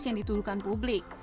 yang diturunkan publik